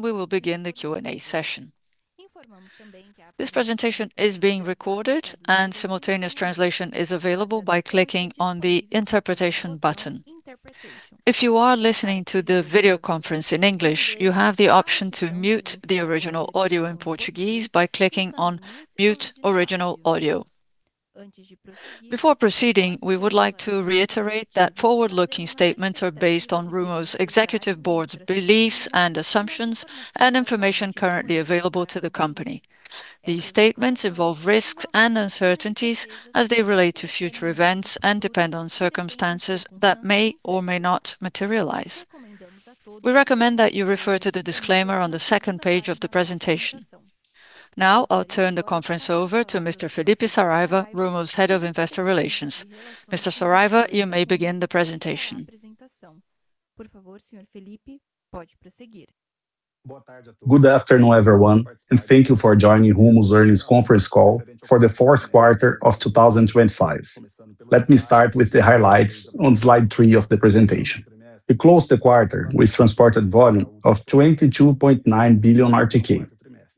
We will begin the Q&A session. This presentation is being recorded, and simultaneous translation is available by clicking on the interpretation button. If you are listening to the video conference in English, you have the option to mute the original audio in Portuguese by clicking on Mute Original Audio. Before proceeding, we would like to reiterate that forward-looking statements are based on Rumo's executive board's beliefs and assumptions and information currently available to the company. These statements involve risks and uncertainties as they relate to future events and depend on circumstances that may or may not materialize. We recommend that you refer to the disclaimer on the second page of the presentation. Now, I'll turn the conference over to Mr. Felipe Saraiva, Rumo's Head of Investor Relations. Mr. Saraiva, you may begin the presentation. Good afternoon, everyone, and thank you for joining Rumo's Earnings Conference Call for the fourth quarter of 2025. Let me start with the highlights on Slide 3 of the presentation. We closed the quarter with transported volume of 22.9 billion RTK,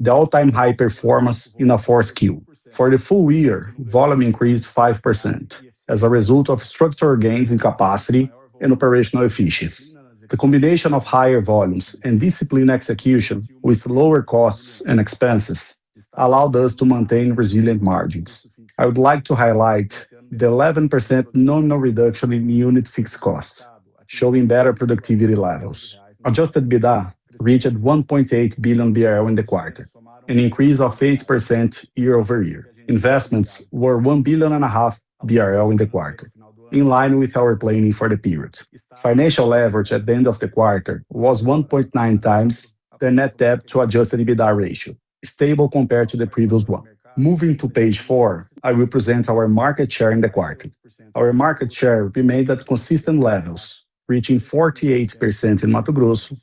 the all-time high performance in a fourth Q. For the full year, volume increased 5% as a result of structural gains in capacity and operational efficiency. The combination of higher volumes and disciplined execution with lower costs and expenses allowed us to maintain resilient margins. I would like to highlight the 11% nominal reduction in unit fixed costs, showing better productivity levels. Adjusted EBITDA reached 1.8 billion BRL in the quarter, an increase of 8% year-over-year. Investments were one billion and a half BRL in the quarter, in line with our planning for the period. Financial leverage at the end of the quarter was 1.9 times the net debt to adjusted EBITDA ratio, stable compared to the previous one. Moving to Page 4, I will present our market share in the quarter. Our market share remained at consistent levels, reaching 48% in Mato Grosso,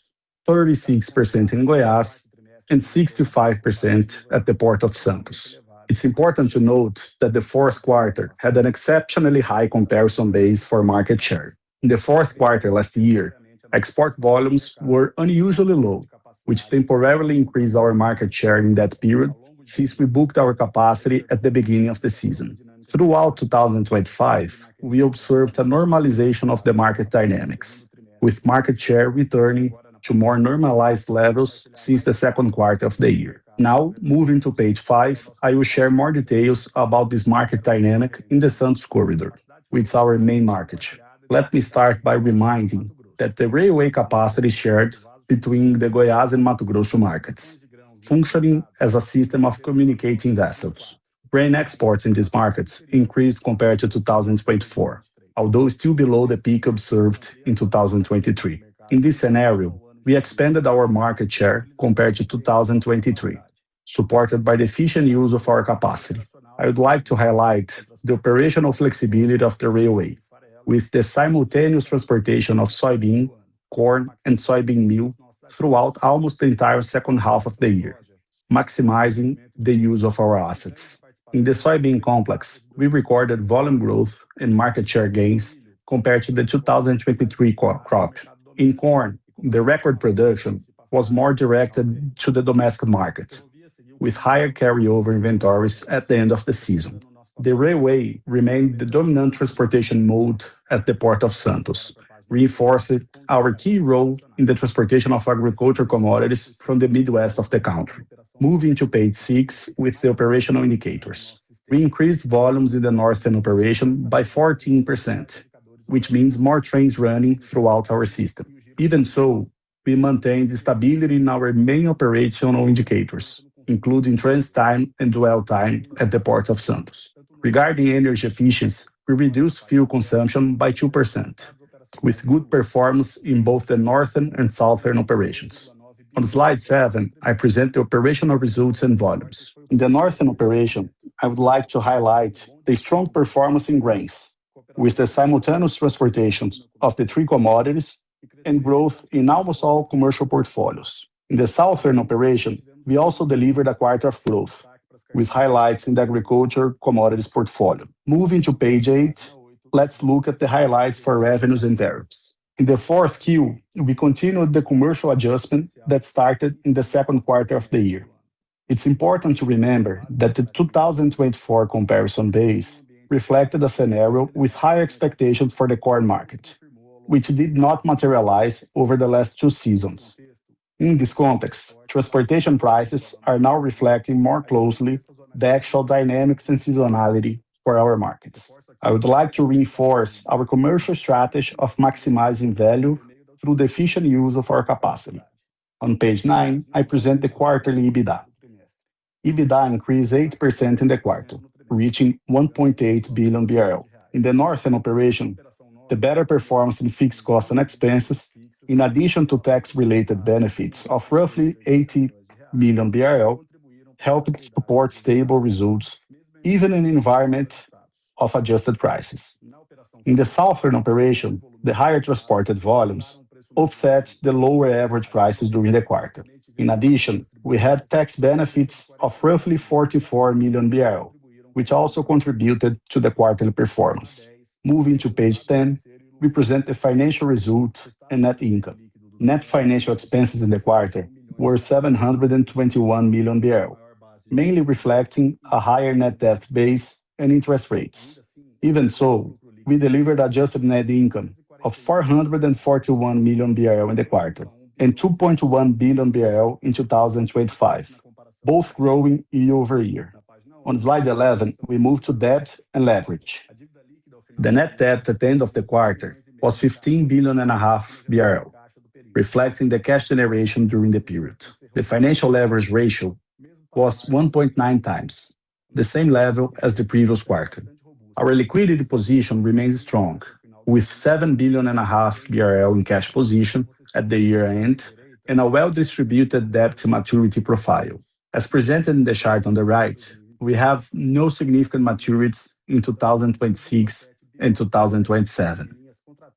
36% in Goiás, and 65% at the Port of Santos. It's important to note that the fourth quarter had an exceptionally high comparison base for market share. In the Q4 last year, export volumes were unusually low, which temporarily increased our market share in that period since we booked our capacity at the beginning of the season. Throughout 2025, we observed a normalization of the market dynamics, with market share returning to more normalized levels since the second quarter of the year. Now, moving to Page 5, I will share more details about this market dynamic in the Santos corridor, which is our main market. Let me start by reminding that the railway capacity is shared between the Goiás and Mato Grosso markets, functioning as a system of communicating vessels. Grain exports in these markets increased compared to 2024, although still below the peak observed in 2023. In this scenario, we expanded our market share compared to 2023, supported by the efficient use of our capacity. I would like to highlight the operational flexibility of the railway with the simultaneous transportation of soybean, corn, and soybean meal throughout almost the entire second half of the year, maximizing the use of our assets. In the soybean complex, we recorded volume growth and market share gains compared to the 2023 co-crop. In corn, the record production was more directed to the domestic market, with higher carryover inventories at the end of the season. The railway remained the dominant transportation mode at the Port of Santos, reinforcing our key role in the transportation of agriculture commodities from the Midwest of the country. Moving to Page 6 with the operational indicators. We increased volumes in the northern operation by 14%, which means more trains running throughout our system. Even so, we maintain the stability in our main operational indicators, including transit time and dwell time at the Port of Santos. Regarding energy efficiency, we reduced fuel consumption by 2%, with good performance in both the northern and southern operations. On Slide 7, I present the operational results and volumes. In the northern operation, I would like to highlight the strong performance in grains with the simultaneous transportations of the three commodities and growth in almost all commercial portfolios. In the southern operation, we also delivered a quarter of growth with highlights in the agriculture commodities portfolio. Moving to Page 8, let's look at the highlights for revenues and tariffs. In the Q4, we continued the commercial adjustment that started in the second quarter of the year. It's important to remember that the 2024 comparison base reflected a scenario with high expectations for the corn market, which did not materialize over the last two seasons. In this context, transportation prices are now reflecting more closely the actual dynamics and seasonality for our markets. I would like to reinforce our commercial strategy of maximizing value through the efficient use of our capacity. On Page 9, I present the quarterly EBITDA. EBITDA increased 8% in the quarter, reaching 1.8 billion BRL. In the northern operation, the better performance in fixed costs and expenses, in addition to tax-related benefits of roughly 80 million BRL, helped support stable results, even in an environment of adjusted prices. In the southern operation, the higher transported volumes offset the lower average prices during the quarter. In addition, we had tax benefits of roughly 44 million. Which also contributed to the quarter performance. Moving to Page 10, we present the financial result and net income. Net financial expenses in the quarter were 721 million, mainly reflecting a higher net debt base and interest rates. Even so, we delivered Adjusted Net Income of 441 million BRL in the quarter, and 2.1 billion BRL in 2025, both growing year-over-year. On Slide 11, we move to debt and leverage. The net debt at the end of the quarter was BR 15.5 billion reflecting the cash generation during the period. The financial leverage ratio was 1.9 times the same level as the previous quarter. Our liquidity position remains strong, with 7.5 billion in cash position at the year-end, and a well-distributed debt maturity profile. As presented in the chart on the right, we have no significant maturities in 2026 and 2027.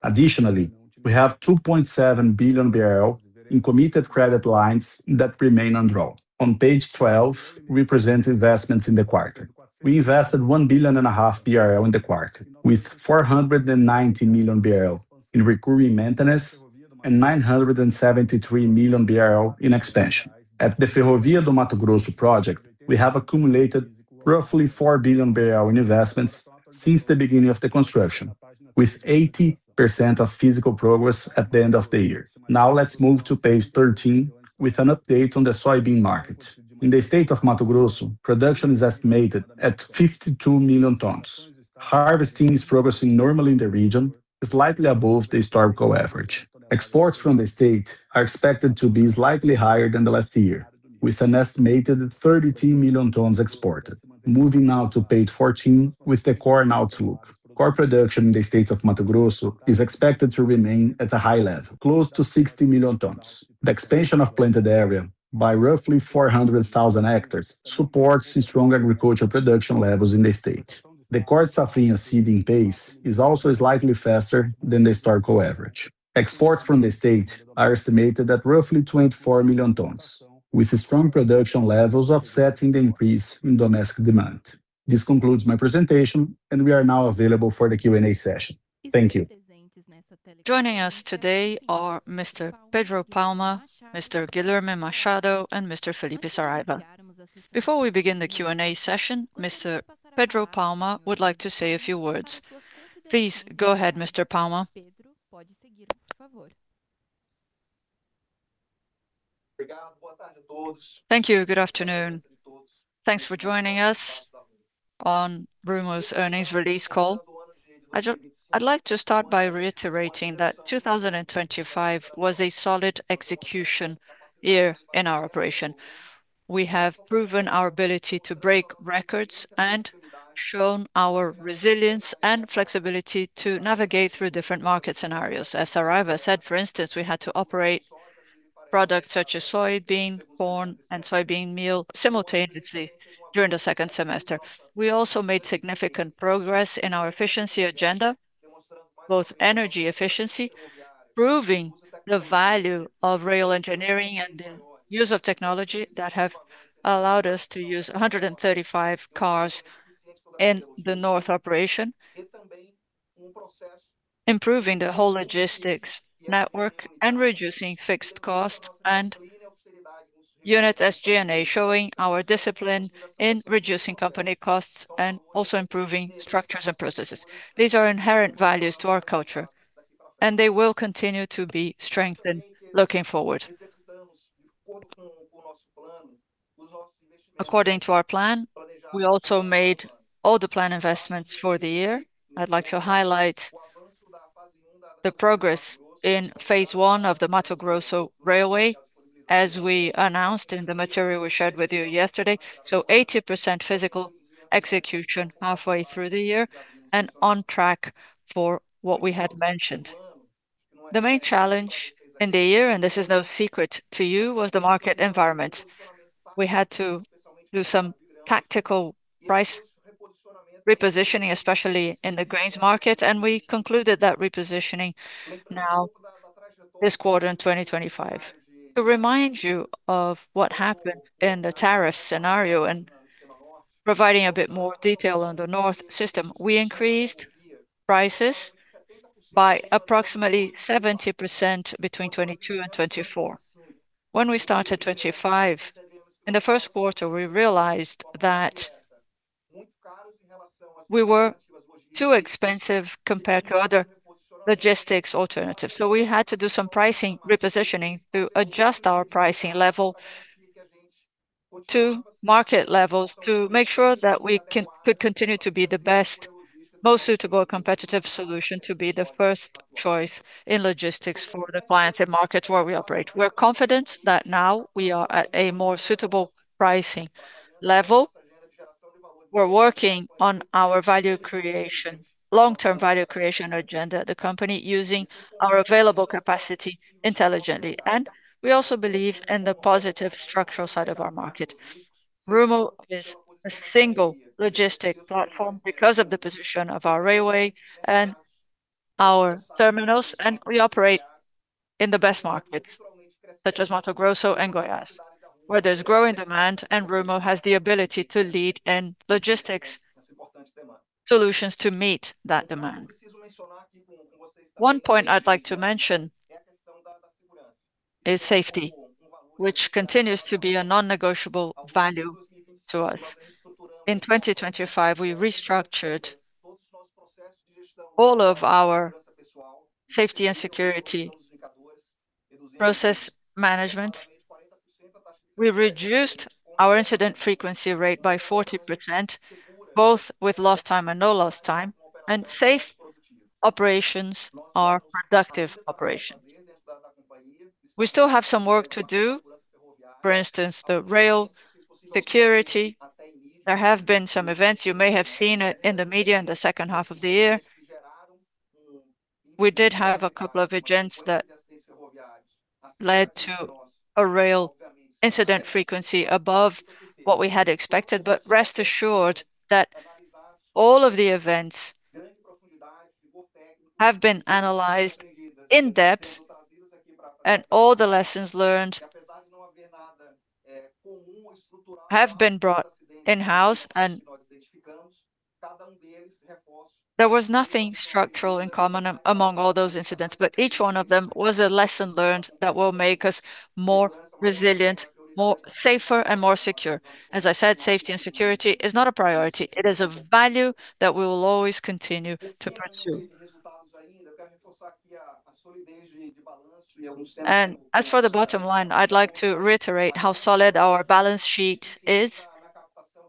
Additionally, we have 2.7 billion BRL in committed credit lines that remain undrawn. On Page 12, we present investments in the quarter. We invested 1.5 billion in the quarter, with 490 million BRL in recurring maintenance, 973 million BRL in expansion. At the Ferrovia de Mato Grosso project, we have accumulated roughly 4 billion in investments since the beginning of the construction, with 80% of physical progress at the end of the year. Let's move to Page 13 with an update on the soybean market. In the state of Mato Grosso, production is estimated at 52 million tons. Harvesting is progressing normally in the region, slightly above the historical average. Exports from the state are expected to be slightly higher than the last year, with an estimated 32 million tons exported. Moving now to Page 14 with the corn outlook. Corn production in the states of Mato Grosso is expected to remain at a high level, close to 60 million tons. The expansion of planted area by roughly 400,000 hectares supports the strong agricultural production levels in the state. The corn Safrinha seeding pace is also slightly faster than the historical average. Exports from the state are estimated at roughly 24 million tons, with the strong production levels offsetting the increase in domestic demand. This concludes my presentation. We are now available for the Q&A session. Thank you. Joining us today are Mr. Pedro Palma, Mr. Guilherme Machado and Mr. Felipe Saraiva. Before we begin the Q&A session, Mr. Pedro Palma would like to say a few words. Please go ahead, Mr. Palma. Thank you. Good afternoon. Thanks for joining us on Rumo's earnings release call. I'd like to start by reiterating that 2025 was a solid execution year in our operation. We have proven our ability to break records and shown our resilience and flexibility to navigate through different market scenarios. As Saraiva said, for instance, we had to operate products such as soybean, corn, and soybean meal simultaneously during the second semester. We also made significant progress in our efficiency agenda, both energy efficiency, proving the value of rail engineering and the use of technology that have allowed us to use 135 cars in the north operation. Improving the whole logistics network and reducing fixed costs and unit SG&A, showing our discipline in reducing company costs and also improving structures and processes. These are inherent values to our culture, and they will continue to be strengthened looking forward. According to our plan, we also made all the plan investments for the year. I'd like to highlight the progress in phase one of the Mato Grosso Railway, as we announced in the material we shared with you yesterday. 80% physical execution halfway through the year and on track for what we had mentioned. The main challenge in the year, and this is no secret to you, was the market environment. We had to do some tactical price repositioning, especially in the grains market, and we concluded that repositioning now this quarter in 2025. To remind you of what happened in the tariff scenario and providing a bit more detail on the north system, we increased prices by approximately 70% between 2022 and 2024. When we started 2025, in the first quarter, we realized that we were too expensive compared to other logistics alternatives. We had to do some pricing repositioning to adjust our pricing level to market levels to make sure that we could continue to be the best, most suitable competitive solution to be the first choice in logistics for the clients and markets where we operate. We're confident that now we are at a more suitable pricing level. We're working on our value creation, long-term value creation agenda at the company using our available capacity intelligently, and we also believe in the positive structural side of our market. Rumo is a single logistic platform because of the position of our railway Our terminals and we operate in the best markets, such as Mato Grosso and Goiás, where there's growing demand and Rumo has the ability to lead in logistics solutions to meet that demand. One point I'd like to mention is safety, which continues to be a non-negotiable value to us. In 2025, we restructured all of our safety and security process management. We reduced our incident frequency rate by 40%, both with lost time and no lost time, and safe operations are productive operations. We still have some work to do, for instance, the rail security. There have been some events you may have seen it in the media in the second half of the year. We did have a couple of events that led to a rail incident frequency above what we had expected. Rest assured that all of the events have been analyzed in depth and all the lessons learned have been brought in-house and there was nothing structural and common among all those incidents. Each one of them was a lesson learned that will make us more resilient, more safer, and more secure. As I said, safety and security is not a priority, it is a value that we will always continue to pursue. As for the bottom line, I'd like to reiterate how solid our balance sheet is.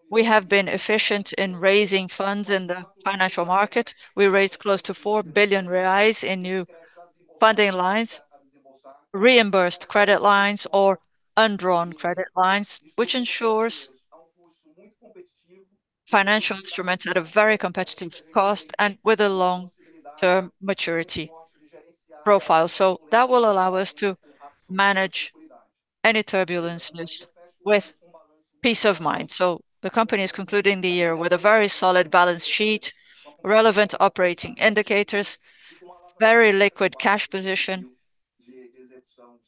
We have been efficient in raising funds in the financial market. We raised close to 4 billion reais in new funding lines, reimbursed credit lines or undrawn credit lines, which ensures financial instruments at a very competitive cost and with a long-term maturity profile. That will allow us to manage any turbulence with peace of mind. The company is concluding the year with a very solid balance sheet, relevant operating indicators, very liquid cash position,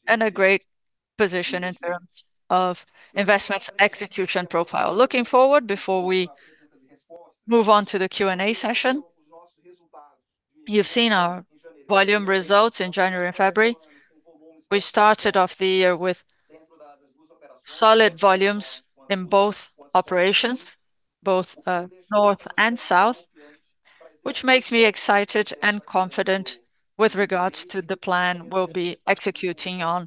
and a great position in terms of investments execution profile. Looking forward, before we move on to the Q&A session, you've seen our volume results in January and February. We started off the year with solid volumes in both operations, both north and south, which makes me excited and confident with regards to the plan we'll be executing on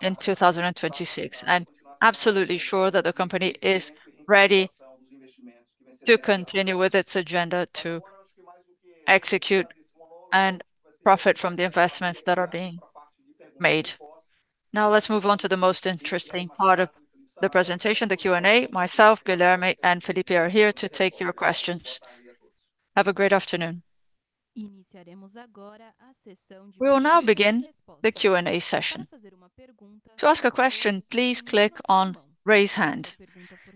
in 2026. I'm absolutely sure that the company is ready to continue with its agenda to execute and profit from the investments that are being made. Let's move on to the most interesting part of the presentation, the Q&A. Myself, Guilherme and Felipe are here to take your questions. Have a great afternoon. We will now begin the Q&A session. To ask a question, please click on Raise Hand.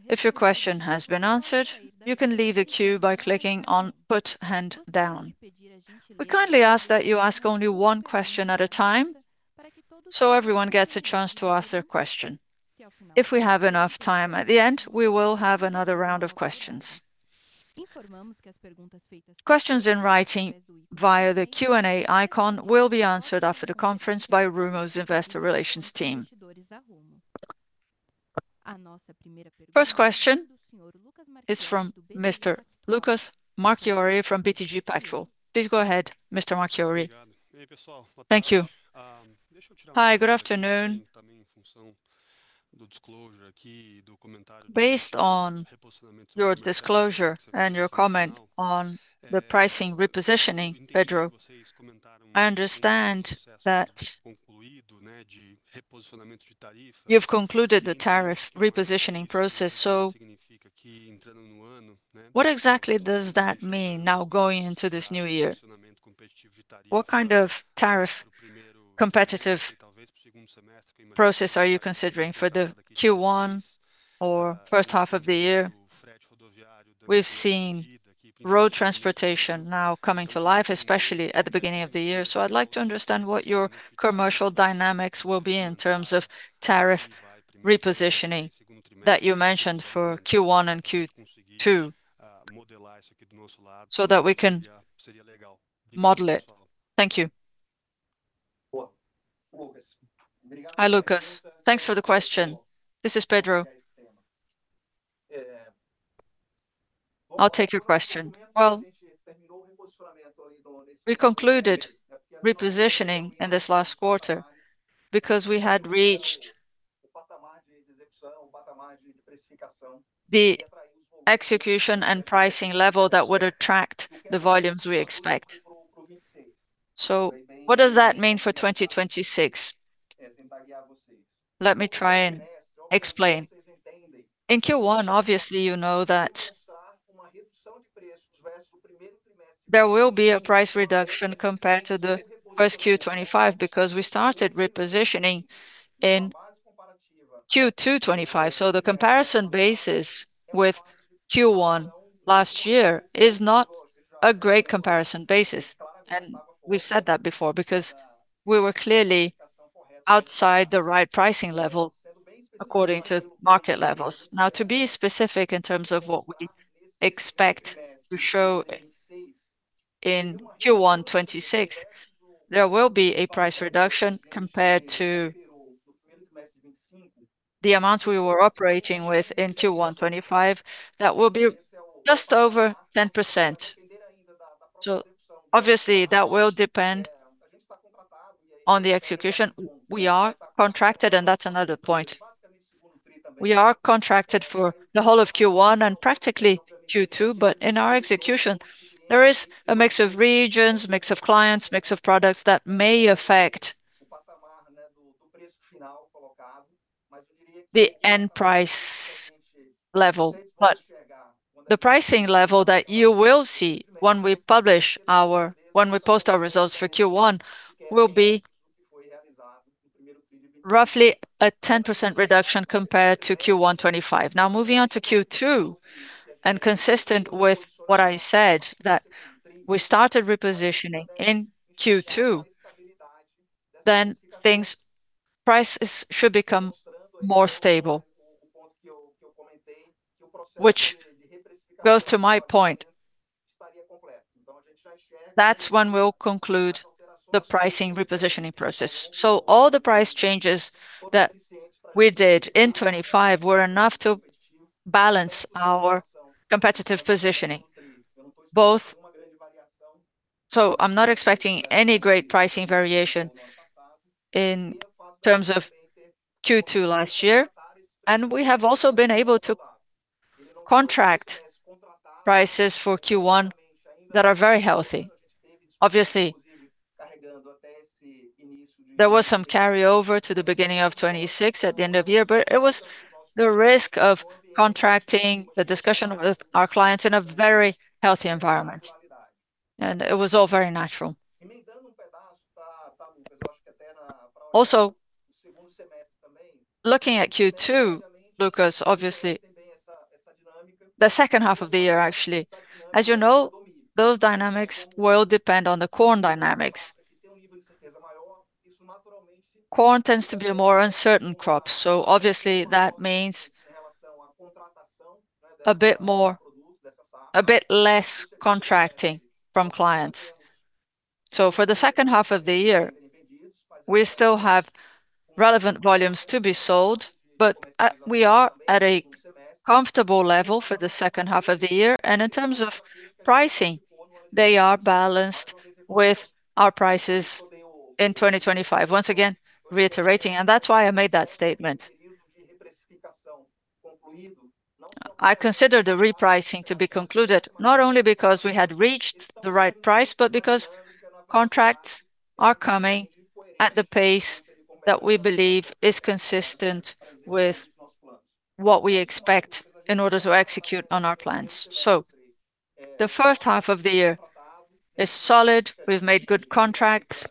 If your question has been answered, you can leave the queue by clicking on Put Hand Down. We kindly ask that you ask only one question at a time, so everyone gets a chance to ask their question. If we have enough time at the end, we will have another round of questions. Questions in writing via the Q&A icon will be answered after the conference by Rumo's investor relations team. First question is from Mr. Lucas Marchiori from BTG Pactual. Please go ahead, Mr. Marchiori. Thank you. Hi, good afternoon. Based on your disclosure and your comment on the pricing repositioning, Pedro, I understand that you've concluded the tariff repositioning process. What exactly does that mean now going into this new year? What kind of tariff competitive process are you considering for the Q1 or first half of the year? We've seen road transportation now coming to life, especially at the beginning of the year. I'd like to understand what your commercial dynamics will be in terms of tariff repositioning that you mentioned for Q1 and Q2, so that we can model it. Thank you. Hi, Lucas. Thanks for the question. This is Pedro. I'll take your question. Well, we concluded repositioning in this last quarter because we had reached the execution and pricing level that would attract the volumes we expect. What does that mean for 2026. Let me try and explain. In Q1, obviously you know that there will be a price reduction compared to the Q1 2025 because we started repositioning in Q2 2025. The comparison basis with Q1 last year is not a great comparison basis. We've said that before, because we were clearly outside the right pricing level according to market levels. To be specific in terms of what we expect to show in Q1 2026, there will be a price reduction compared to the amounts we were operating within Q1 2025 that will be just over 10%. Obviously, that will depend on the execution. We are contracted, and that's another point. We are contracted for the whole of Q1 and practically Q2, but in our execution, there is a mix of regions, mix of clients, mix of products that may affect the end price level. The pricing level that you will see when we post our results for Q1, will be roughly a 110% reduction compared to Q1 2025. Now, moving on to Q2, and consistent with what I said, that we started repositioning in Q2, then prices should become more stable. Which goes to my point, that's when we'll conclude the pricing repositioning process. All the price changes that we did in 2025 were enough to balance our competitive positioning. I'm not expecting any great pricing variation in terms of Q2 last year. We have also been able to contract prices for Q1 that are very healthy. Obviously, there was some carry over to the beginning of 2026 at the end of year, but it was the risk of contracting the discussion with our clients in a very healthy environment. It was all very natural. Also, looking at Q2, Lucas, obviously, the second half of the year actually, as you know, those dynamics will depend on the corn dynamics. Corn tends to be a more uncertain crop, obviously that means a bit less contracting from clients. For the second half of the year, we still have relevant volumes to be sold, but we are at a comfortable level for the second half of the year. In terms of pricing, they are balanced with our prices in 2025. Once again, reiterating, and that's why I made that statement. I consider the repricing to be concluded, not only because we had reached the right price, but because contracts are coming at the pace that we believe is consistent with what we expect in order to execute on our plans. The first half of the year is solid. We've made good contracts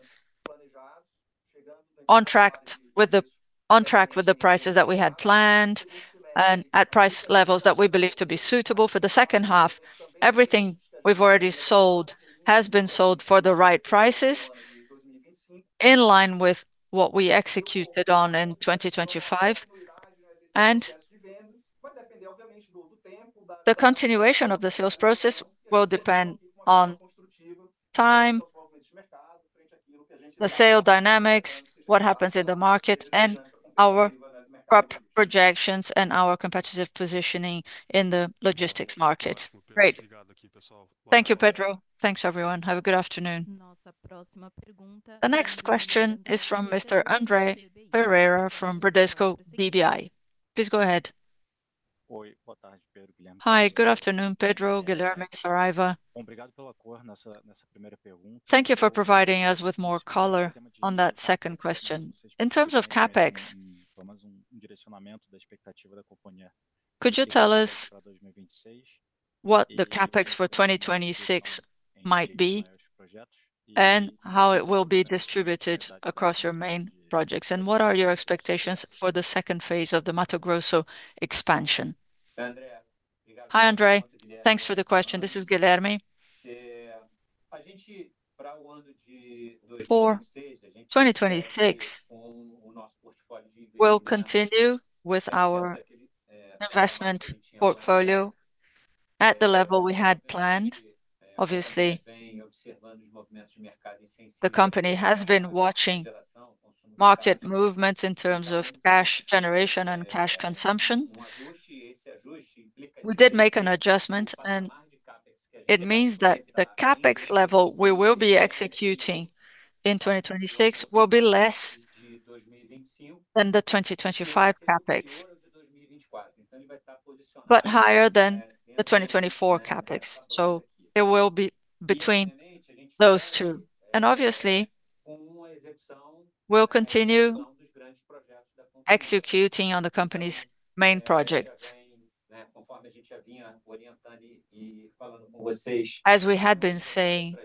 on track with the prices that we had planned, and at price levels that we believe to be suitable. For the second half, everything we've already sold has been sold for the right prices, in line with what we executed on in 2025. The continuation of the sales process will depend on time, the sale dynamics, what happens in the market, and our crop projections and our competitive positioning in the logistics market. Great. Thank you, Pedro. Thanks, everyone. Have a good afternoon. The next question is from Mr. Andre Ferreira from Bradesco BBI. Please go ahead. Hi, good afternoon, Pedro, Guilherme Saraiva. Thank you for providing us with more color on that second question. In terms of CapEx, could you tell us what the CapEx for 2026 might be, and how it will be distributed across your main projects? What are your expectations for the second phase of the Mato Grosso expansion? Hi, Andre. Thanks for the question. This is Guilherme. For 2026, we'll continue with our investment portfolio at the level we had planned. Obviously, the company has been watching market movements in terms of cash generation and cash consumption. We did make an adjustment; it means that the CapEx level we will be executing in 2026 will be less than the 2025 CapEx. Higher than the 2024 CapEx. It will be between those two. Obviously, we'll continue executing on the company's main projects. As we had been saying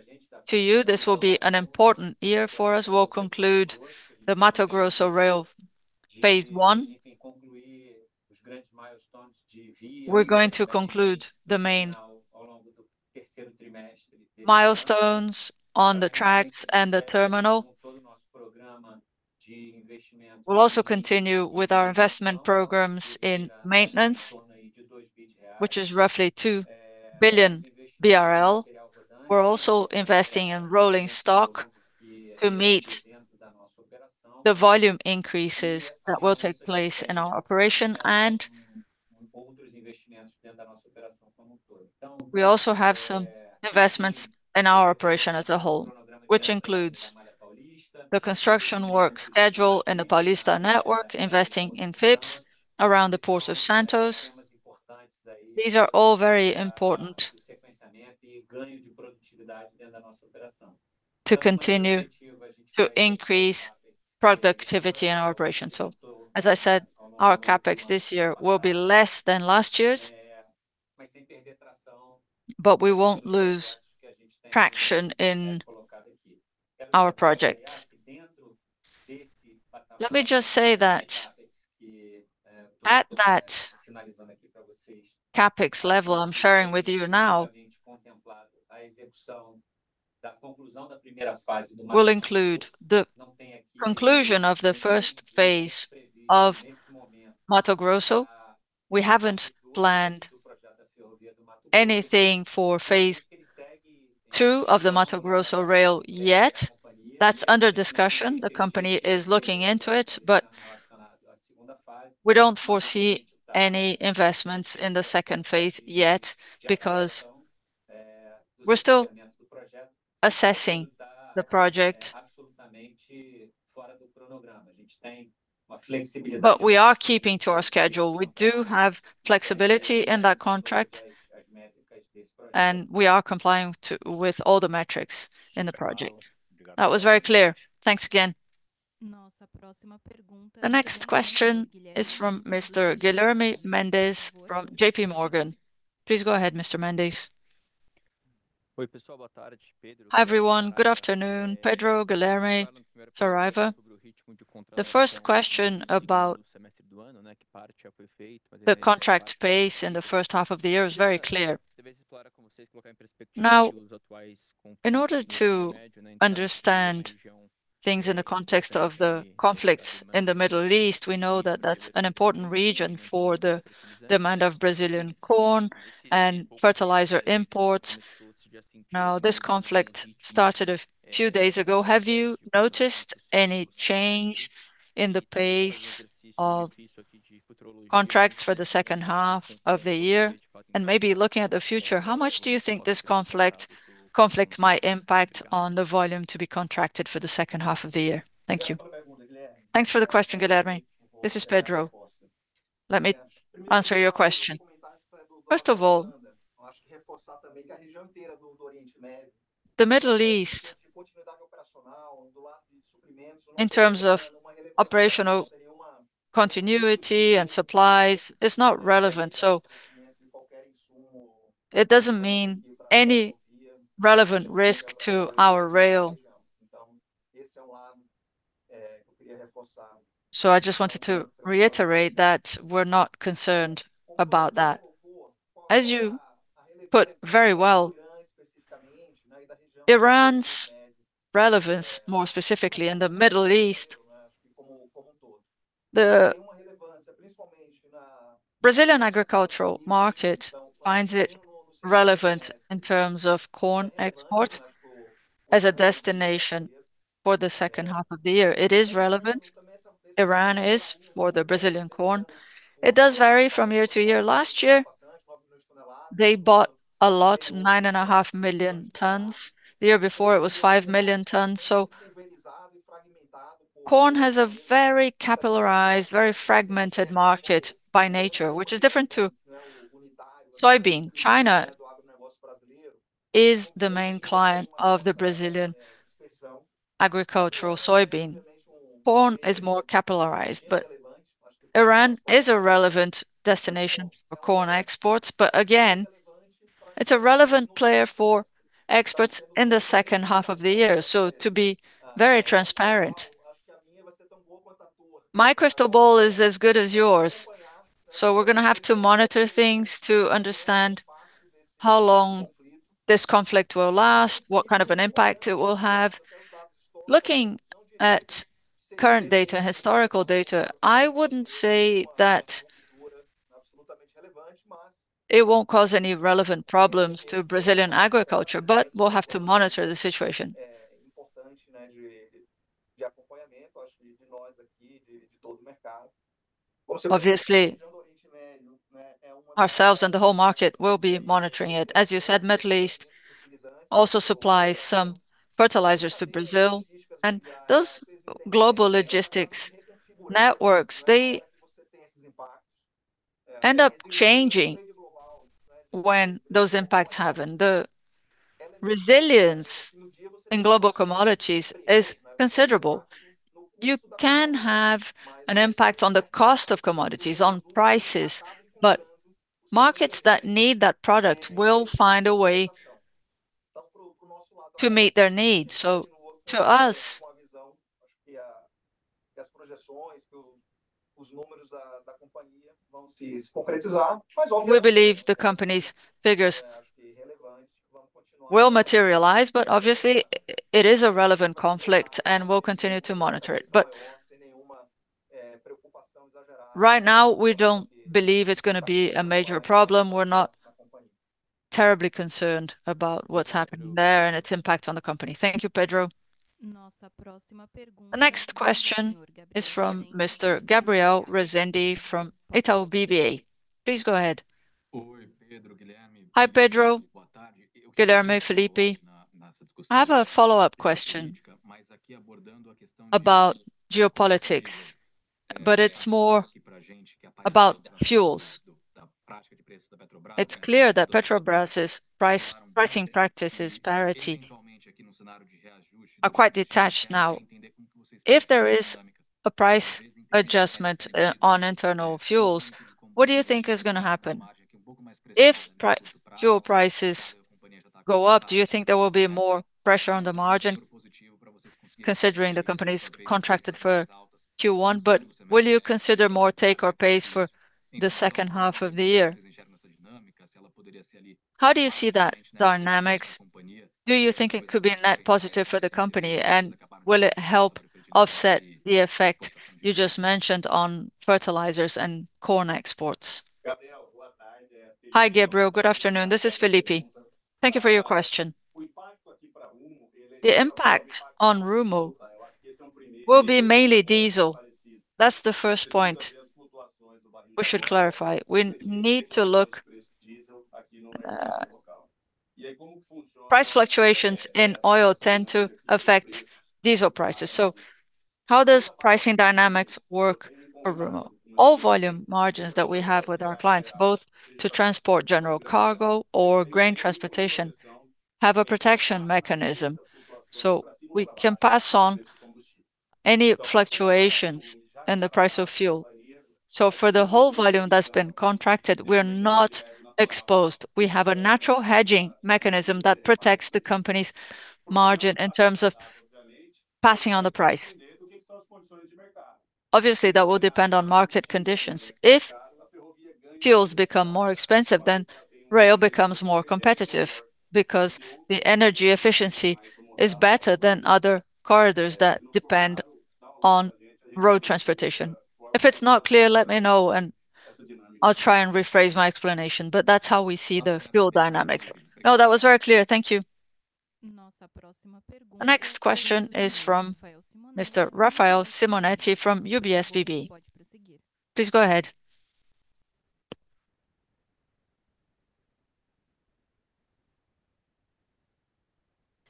to you, this will be an important year for us. We'll conclude the Mato Grosso rail phase one. We're going to conclude the main milestones on the tracks and the terminal. We'll also continue with our investment programs in maintenance, which is roughly 2 billion BRL. We're also investing in rolling stock to meet the volume increases that will take place in our operation. We also have some investments in our operation as a whole, which includes the construction work schedule in the Paulista network, investing in FIPS around the Port of Santos. These are all very important to continue to increase productivity in our operation. As I said, our CapEx this year will be less than last year's, but we won't lose traction in our projects. Let me just say that at that CapEx level I'm sharing with you now will include the conclusion of the first phase of Mato Grosso. We haven't planned anything for phase two of the Mato Grosso rail yet. That's under discussion. The company is looking into it; we don't foresee any investments in the second phase yet because we're still assessing the project. We are keeping to our schedule. We do have flexibility in that contract, and we are complying with all the metrics in the project. That was very clear. Thanks again. The next question is from Mr. Guilherme Mendes from J.P. Morgan. Please go ahead, Mr. Mendes. Hi, everyone. Good afternoon. Pedro Guilherme, Saraiva. The 1st question about the contract pace in the 1st half of the year is very clear. Now, in order to understand things in the context of the conflicts in the Middle East, we know that that's an important region for the demand of Brazilian corn and fertilizer imports. Now, this conflict started a few days ago. Have you noticed any change in the pace of contracts for the 2nd half of the year? Maybe looking at the future, how much do you think this conflict might impact on the volume to be contracted for the 2nd half of the year? Thank you. Thanks for the question, Guilherme. This is Pedro. Let me answer your question. First of all, the Middle East in terms of operational continuity and supplies is not relevant, so it doesn't mean any relevant risk to our rail. I just wanted to reiterate that we're not concerned about that. As you put very well, Iran's relevance, more specifically in the Middle East, the Brazilian agricultural market finds it relevant in terms of corn export as a destination for the second half of the year. It is relevant. Iran is for the Brazilian corn. It does vary from year to year. Last year, they bought a lot, 9.5 million tons. The year before it was 5 million tons. Corn has a very capillarized, very fragmented market by nature, which is different to soybean. China is the main client of the Brazilian agricultural soybean. Corn is more capillarized, but Iran is a relevant destination for corn exports. Again, it's a relevant player for exports in the second half of the year. To be very transparent, my crystal ball is as good as yours, so we're gonna have to monitor things to understand how long this conflict will last, what kind of an impact it will have. Looking at current data, historical data, I wouldn't say that it won't cause any relevant problems to Brazilian agriculture, we'll have to monitor the situation. Obviously, ourselves and the whole market will be monitoring it. As you said, Middle East also supplies some fertilizers to Brazil, those global logistics networks, they end up changing when those impacts happen. Resilience in global commodities is considerable. You can have an impact on the cost of commodities, on prices, markets that need that product will find a way to meet their needs. To us, we believe the company's figures will materialize, obviously, it is a relevant conflict, and we'll continue to monitor it. Right now, we don't believe it's going to be a major problem. We're not terribly concerned about what's happening there and its impact on the company. Thank you, Pedro. The next question is from Mr. Gabriel Rezende from Itaú BBA. Please go ahead. Hi, Pedro, Guilherme, Felipe. I have a follow-up question about geopolitics; it's more about fuels. It's clear that Petrobras' price, pricing practices parity are quite detached now. If there is a price adjustment on internal fuels, what do you think is going to happen? If fuel prices go up, do you think there will be more pressure on the margin considering the company's contracted for Q1, will you consider more take or pace for the second half of the year? How do you see that dynamics? Do you think it could be a net positive for the company, and will it help offset the effect you just mentioned on fertilizers and corn exports? Hi, Gabriel. Good afternoon. This is Felipe. Thank you for your question. The impact on Rumo will be mainly diesel. That's the first point we should clarify. We need to look. Price fluctuations in oil tend to affect diesel prices, so how does pricing dynamics work for Rumo? All volume margins that we have with our clients, both to transport general cargo or grain transportation, have a protection mechanism, so we can pass on any fluctuations in the price of fuel. For the whole volume that's been contracted, we're not exposed. We have a natural hedging mechanism that protects the company's margin in terms of passing on the price. Obviously, that will depend on market conditions. If fuels become more expensive, then rail becomes more competitive because the energy efficiency is better than other corridors that depend on road transportation. If it's not clear, let me know, and I'll try and rephrase my explanation, but that's how we see the fuel dynamics. That was very clear. Thank you. The next question is from Mr. Rafael Simonetti from UBS BB. Please go ahead.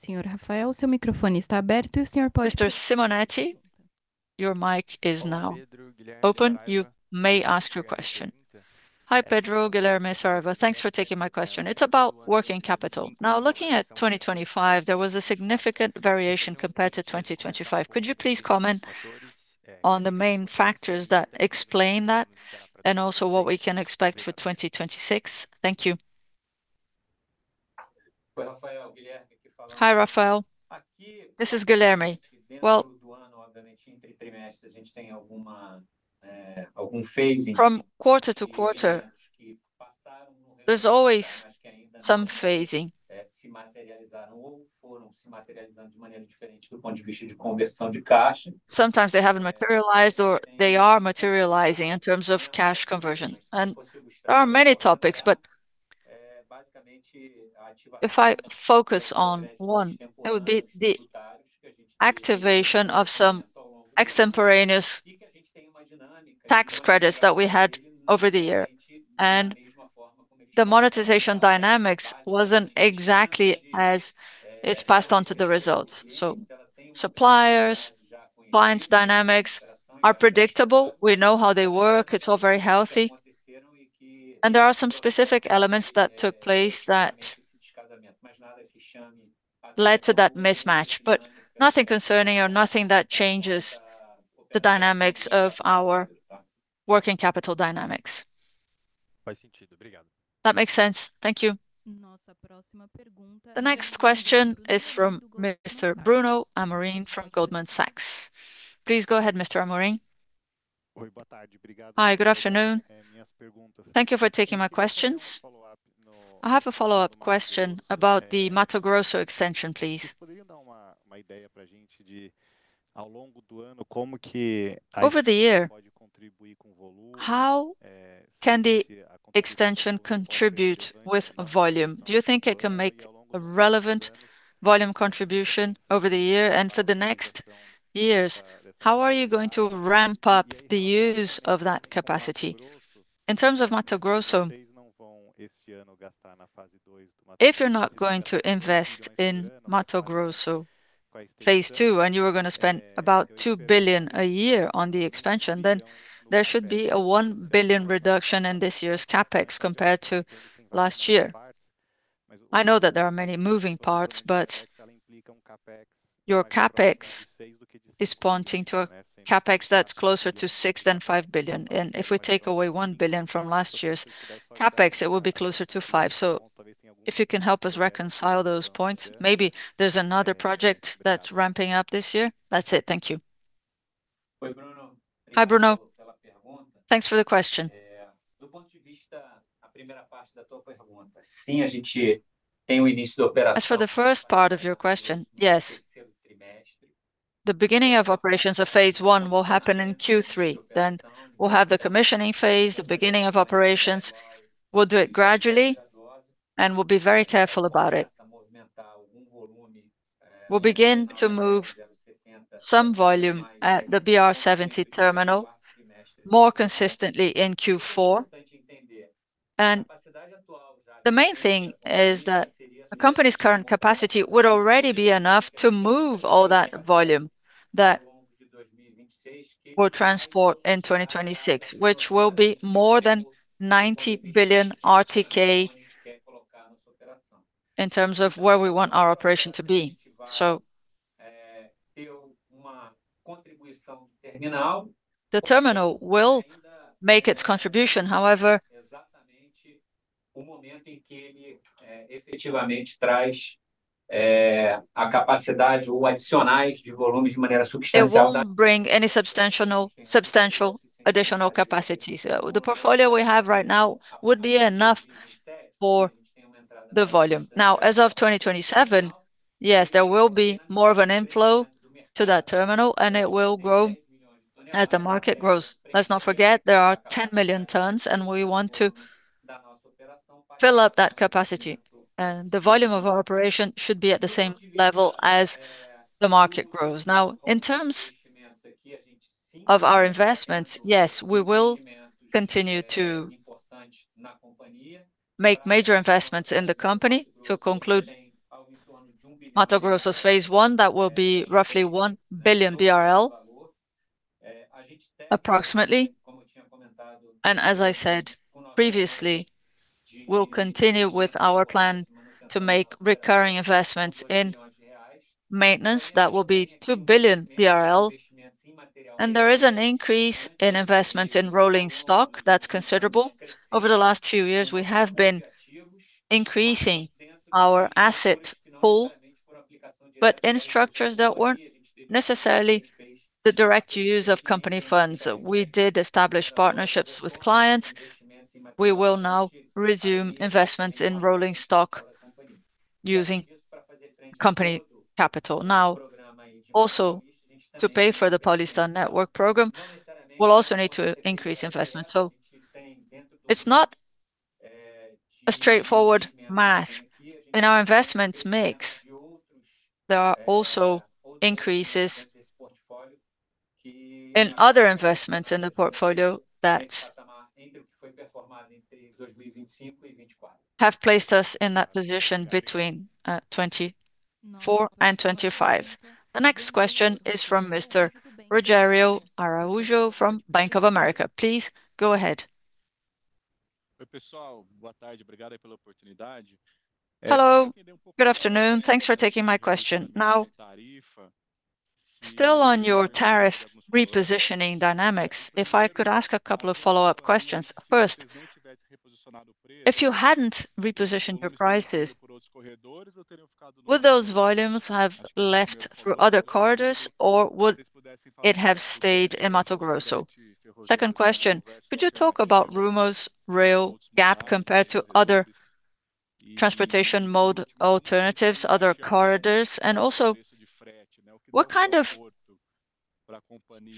Mr. Simonetti, your mic is now open. You may ask your question. Hi, Pedro, Guilherme, Saraiva. Thanks for taking my question. It's about working capital. Now, looking at 2025, there was a significant variation compared to 2025. Could you please comment on the main factors that explain that, and also what we can expect for 2026? Thank you. Hi, Rafael. This is Guilherme. Well, from quarter to quarter, there's always some phasing. Sometimes they haven't materialized, or they are materializing in terms of cash conversion. There are many topics, but if I focus on one, it would be the activation of some extemporaneous tax credits that we had over the year, the monetization dynamics wasn't exactly as it's passed on to the results. Suppliers, clients' dynamics are predictable. We know how they work. It's all very healthy. There are some specific elements that took place that led to that mismatch, but nothing concerning or nothing that changes the dynamics of our working capital dynamics. That makes sense. Thank you. The next question is from Mr. Bruno Amorim from Goldman Sachs. Please go ahead, Mr. Amorim. Hi, good afternoon. Thank you for taking my questions. I have a follow-up question about the Mato Grosso extension, please. Over the year, how can the extension contribute with volume? Do you think it can make a relevant volume contribution over the year and for the next years? How are you going to ramp up the use of that capacity? In terms of Mato Grosso, if you're not going to invest in Mato Grosso Phase 2 and you were gonna spend about 2 billion a year on the expansion, then there should be a 1 billion reduction in this year's CapEx compared to last year. I know that there are many moving parts, but your CapEx is pointing to a CapEx that's closer to 6 billion than 5 billion. If we take away 1 billion from last year's CapEx, it will be closer to 5 billion. If you can help us reconcile those points, maybe there's another project that's ramping up this year. That's it. Thank you. Hi, Bruno. Thanks for the question. As for the first part of your question, yes, the beginning of operations of phase one will happen in Q3. We'll have the commissioning phase, the beginning of operations. We'll do it gradually, and we'll be very careful about it. We'll begin to move some volume at the BR-070 terminal more consistently in Q4. The main thing is that a company's current capacity would already be enough to move all that volume that we'll transport in 2026, which will be more than 90 billion RTK in terms of where we want our operation to be. The terminal will make its contribution. However, it won't bring any substantial additional capacity. The portfolio we have right now would be enough for the volume. As of 2027, yes, there will be more of an inflow to that terminal, and it will grow as the market grows. Let's not forget there are 10 million tons, and we want to fill up that capacity. The volume of our operation should be at the same level as the market grows. In terms of our investments, yes, we will continue to make major investments in the company to conclude Mato Grosso's Phase 1. That will be roughly 1 billion BRL, approximately. As I said previously, we'll continue with our plan to make recurring investments in maintenance that will be 2 billion. There is an increase in investments in rolling stock that's considerable. Over the last few years, we have been increasing our asset pool, but in structures that weren't necessarily the direct use of company funds. We did establish partnerships with clients. We will now resume investments in rolling stock using company capital. Also, to pay for the Paulista Network program, we'll also need to increase investment. It's not a straightforward math. In our investments mix, there are also increases in other investments in the portfolio that have placed us in that position between 2024 and 2025. The next question is from Mr. Rogério Araújo from Bank of America. Please go ahead. Hello. Good afternoon. Thanks for taking my question. Still on your tariff repositioning dynamics, if I could ask a couple of follow-up questions. First, if you hadn't repositioned your prices, would those volumes have left through other corridors, or would it have stayed in Mato Grosso? Second question, could you talk about Rumo's rail gap compared to other transportation mode alternatives, other corridors? Also, what kind of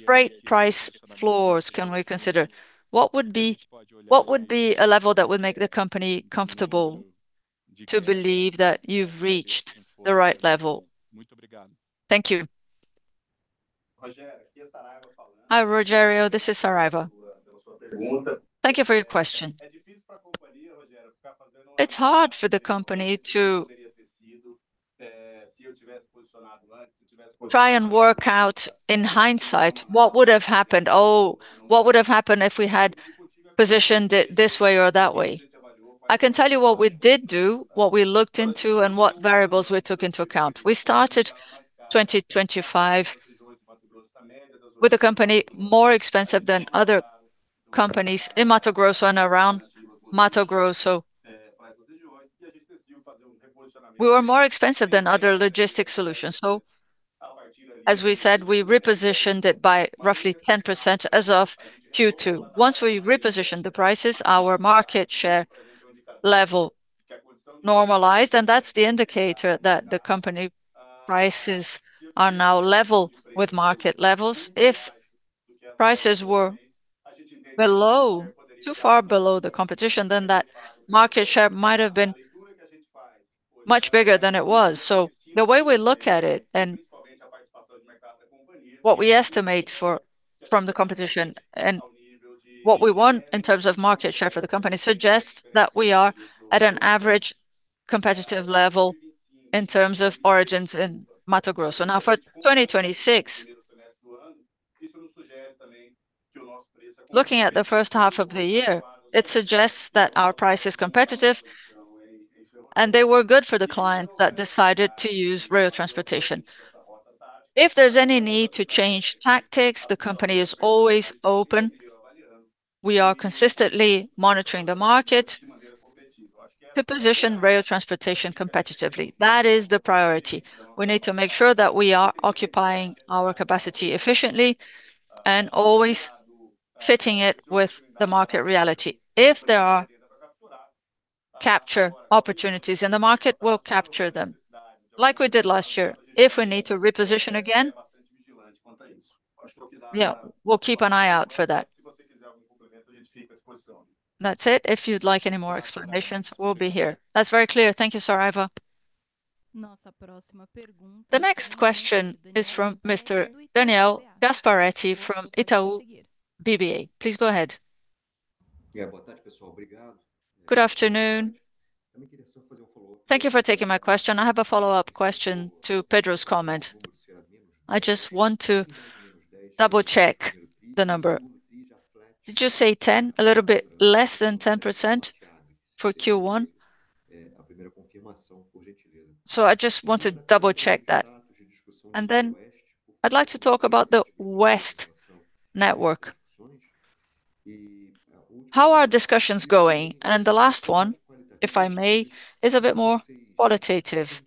freight price floors can we consider? What would be a level that would make the company comfortable to believe that you've reached the right level? Thank you. Hi, Rogério. This is Saraiva. Thank you for your question. It's hard for the company to try and work out in hindsight what would have happened. What would have happened if we had positioned it this way or that way? I can tell you what we did do, what we looked into, and what variables we took into account. We started 2025 with the company more expensive than other companies in Mato Grosso and around Mato Grosso. We were more expensive than other logistics solutions. As we said, we repositioned it by roughly 10% as of Q2. Once we repositioned the prices, our market share level normalized, that's the indicator that the company prices are now level with market levels. If prices were below, too far below the competition, that market share might have been much bigger than it was. The way we look at it and what we estimate for, from the competition, what we want in terms of market share for the company suggests that we are at an average competitive level in terms of origins in Mato Grosso. For 2026, looking at the first half of the year, it suggests that our price is competitive and they were good for the client that decided to use rail transportation. If there's any need to change tactics, the company is always open. We are consistently monitoring the market to position rail transportation competitively. That is the priority. We need to make sure that we are occupying our capacity efficiently and always fitting it with the market reality. If there are capture opportunities in the market, we'll capture them, like we did last year. If we need to reposition again, yeah, we'll keep an eye out for that. That's it. If you'd like any more explanations, we'll be here. That's very clear. Thank you, Saraiva. The next question is from Mr. Daniel Gasparete from Itaú BBA. Please go ahead. Good afternoon. Thank you for taking my question. I have a follow-up question to Pedro's comment. I just want to double-check the number. Did you say 10, a little bit less than 10% for Q1? I just want to double-check that. I'd like to talk about the West network. How are discussions going? The last one, if I may, is a bit more qualitative.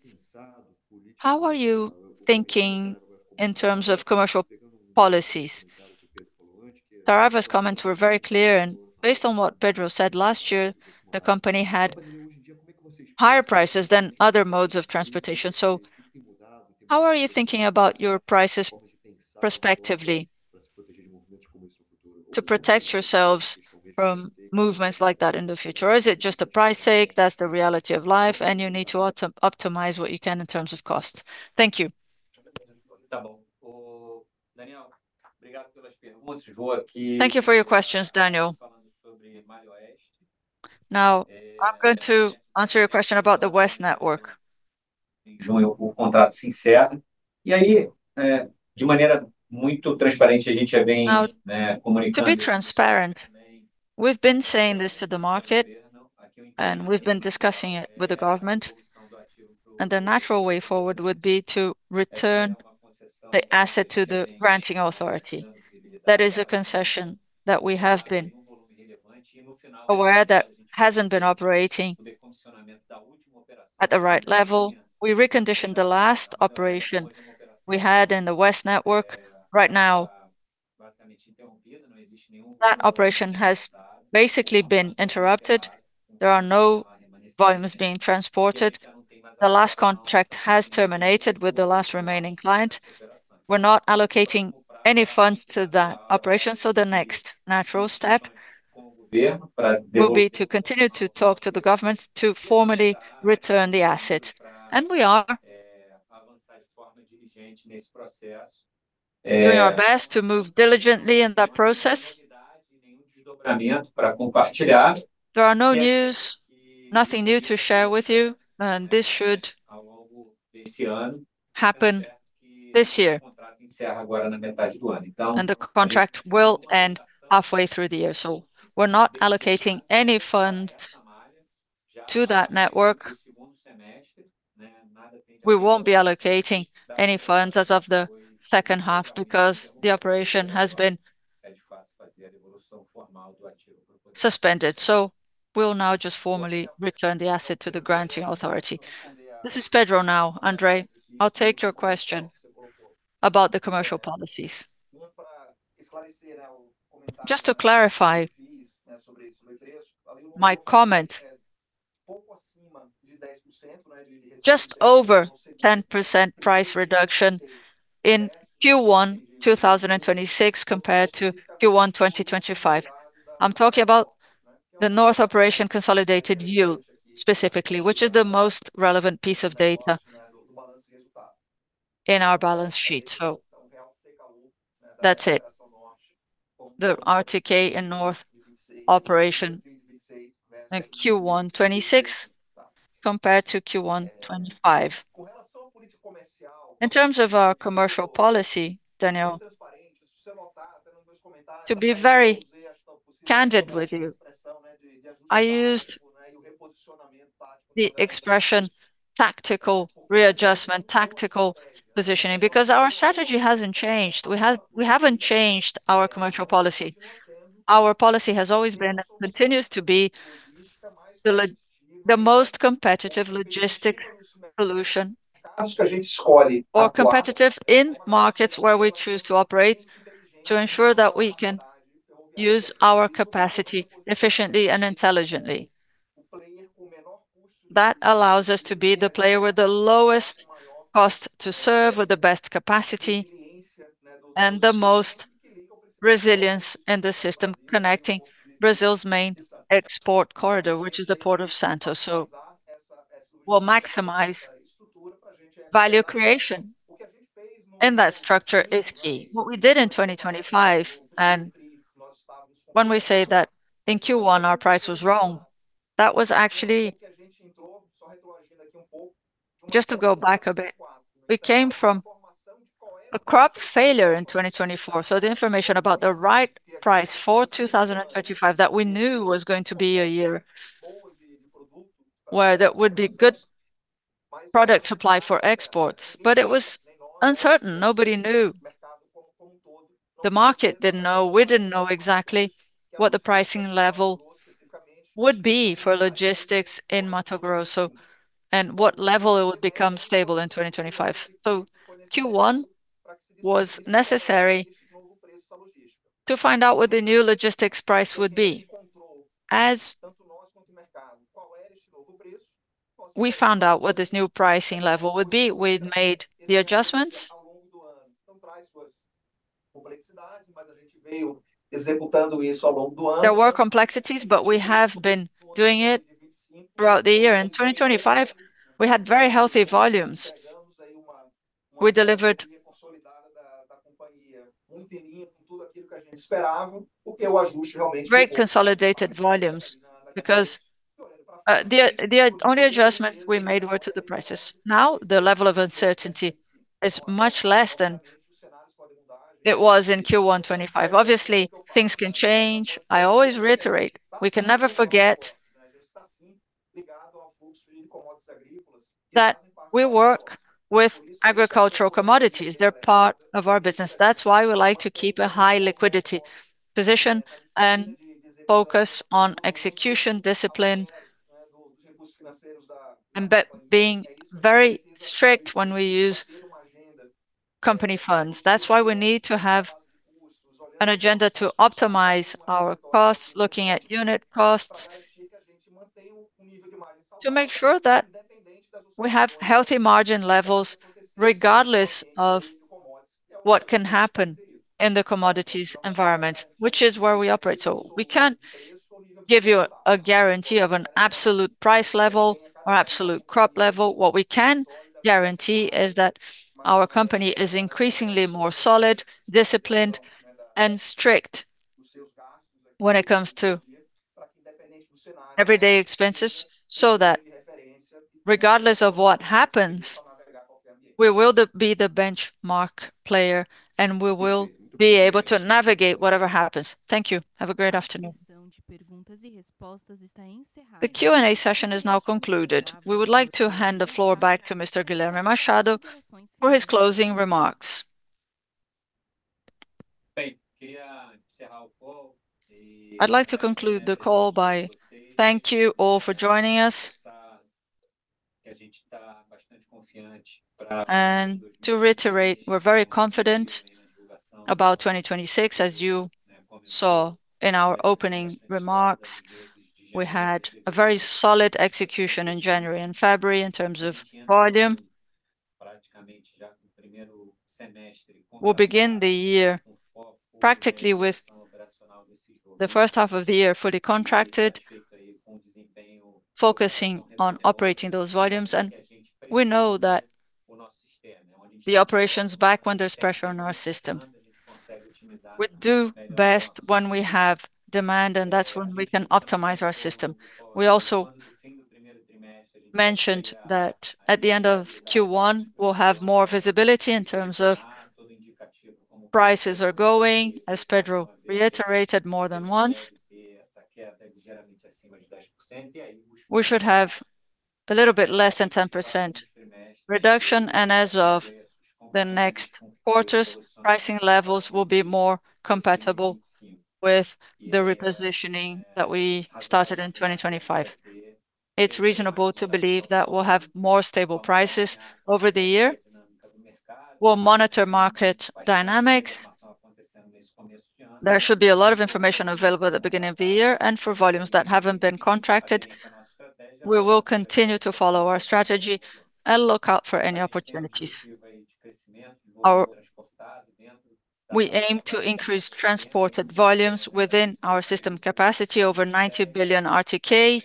How are you thinking in terms of commercial policies? Saraiva's comments were very clear, and based on what Pedro said last year, the company had higher prices than other modes of transportation. How are you thinking about your prices prospectively to protect yourselves from movements like that in the future? Is it just a price's sake, that's the reality of life, and you need to optimize what you can in terms of costs? Thank you. Thank you for your questions, Daniel. I'm going to answer your question about the West network. To be transparent, we've been saying this to the market, and we've been discussing it with the government, and the natural way forward would be to return the asset to the granting authority. That is a concession that we have been aware that hasn't been operating at the right level. We reconditioned the last operation we had in the West network. Right now, that operation has basically been interrupted. There are no volumes being transported. The last contract has terminated with the last remaining client. We're not allocating any funds to that operation. The next natural step will be to continue to talk to the government to formally return the asset. We are doing our best to move diligently in that process. There are no news, nothing new to share with you, and this should happen this year. The contract will end halfway through the year. We're not allocating any funds to that network. We won't be allocating any funds as of the second half because the operation has been suspended. We'll now just formally return the asset to the granting authority. This is Pedro now, Andre. I'll take your question about the commercial policies. Just to clarify my comment, just over 10% price reduction in Q1 2026 compared to Q1 2025. I'm talking about the North operation consolidated view specifically, which is the most relevant piece of data in our balance sheet. That's it. The RTK in North operation in Q1 2026 compared to Q1 2025. In terms of our commercial policy, Daniel, to be very candid with you, I used the expression tactical readjustment, tactical positioning, because our strategy hasn't changed. We haven't changed our commercial policy. Our policy has always been and continues to be the most competitive logistics solution or competitive in markets where we choose to operate to ensure that we can use our capacity efficiently and intelligently. Allows us to be the player with the lowest cost to serve, with the best capacity, and the most resilience in the system connecting Brazil's main export corridor, which is the Port of Santos. Value creation in that structure is key. What we did in 2025, when we say that in Q1 our price was wrong, that was actually... Just to go back a bit, we came from a crop failure in 2024, so the information about the right price for 2025 that we knew was going to be a year where there would be good product supply for exports, but it was uncertain. Nobody knew. The market didn't know, we didn't know exactly what the pricing level would be for logistics in Mato Grosso, and what level it would become stable in 2025. Q1 was necessary to find out what the new logistics price would be. As we found out what this new pricing level would be, we'd made the adjustments. There were complexities, but we have been doing it throughout the year. In 2025, we had very healthy volumes. We delivered very consolidated volumes because the only adjustment we made were to the prices. The level of uncertainty is much less than it was in Q1 2025. Obviously, things can change. I always reiterate, we can never forget that we work with agricultural commodities. They're part of our business. That's why we like to keep a high liquidity position and focus on execution discipline and being very strict when we use company funds. That's why we need to have an agenda to optimize our costs, looking at unit costs to make sure that we have healthy margin levels regardless of what can happen in the commodities environment, which is where we operate. We can't give you a guarantee of an absolute price level or absolute crop level. What we can guarantee is that our company is increasingly more solid, disciplined, and strict when it comes to everyday expenses, so that regardless of what happens, we will be the benchmark player, and we will be able to navigate whatever happens. Thank you. Have a great afternoon. The Q&A session is now concluded. We would like to hand the floor back to Mr. Guilherme Machado for his closing remarks. I'd like to conclude the call by thank you all for joining us. To reiterate, we're very confident about 2026, as you saw in our opening remarks. We had a very solid execution in January and February in terms of volume. We'll begin the year practically with the first half of the year fully contracted, focusing on operating those volumes. We know that the operation's back when there's pressure on our system. We do best when we have demand. That's when we can optimize our system. We also mentioned that at the end of Q1, we'll have more visibility in terms of prices are going, as Pedro reiterated more than once. We should have a little bit less than 10% reduction. As of the next quarters, pricing levels will be more compatible with the repositioning that we started in 2025. It's reasonable to believe that we'll have more stable prices over the year. We'll monitor market dynamics. There should be a lot of information available at the beginning of the year, and for volumes that haven't been contracted, we will continue to follow our strategy and look out for any opportunities. We aim to increase transported volumes within our system capacity, over 90 billion RTK.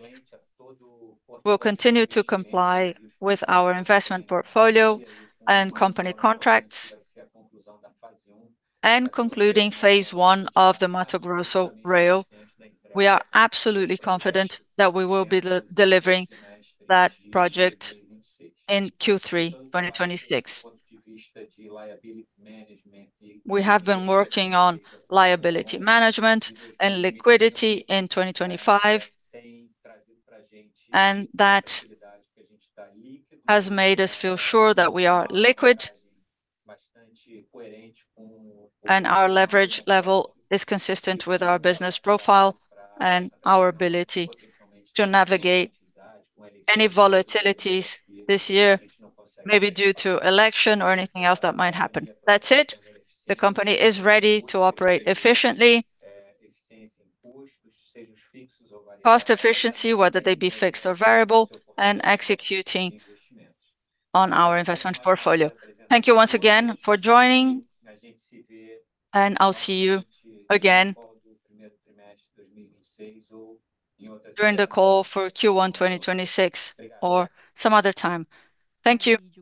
We'll continue to comply with our investment portfolio and company contracts. Concluding phase one of the Mato Grosso Rail, we are absolutely confident that we will be delivering that project in Q3 2026. We have been working on liability management and liquidity in 2025, and that has made us feel sure that we are liquid and our leverage level is consistent with our business profile and our ability to navigate any volatilities this year, maybe due to election or anything else that might happen. That's it. The company is ready to operate efficiently. Cost efficiency, whether they be fixed or variable, and executing on our investment portfolio. Thank you once again for joining, and I'll see you again during the call for Q1 2026 or some other time. Thank you.